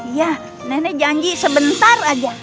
iya nenek janji sebentar aja